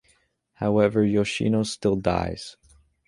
However, Yoshino still dies.